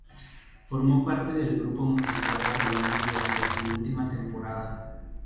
Formó parte del grupo musical Garibaldi durante su última temporada.